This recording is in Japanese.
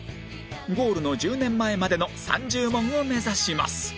ゴールの１０年前までの３０問を目指します